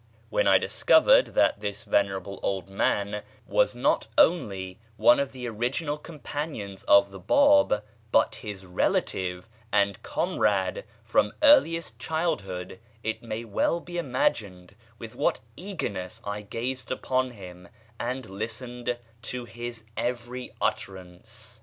'" When I discovered that this venerable old man was not only one of the original companions of the Báb but his relative and comrade from earliest childhood, it may well be imagined with what eagerness I gazed upon him and listened to his every utterance.